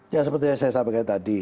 ya seperti yang saya sampaikan tadi